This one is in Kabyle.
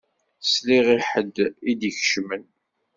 Sliɣ i ḥedd i d-ikecmen.